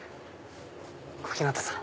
小日向さん。